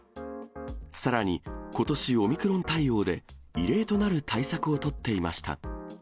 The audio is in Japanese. さらにことし、オミクロン対応で異例となる対策を取っていました。